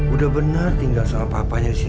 udah bener tinggal sama papanya sih